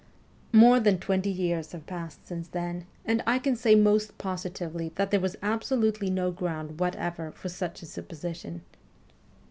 More than twenty years have passed since then, and I can say most positively that there was absolutely no ground whatever for such a supposition.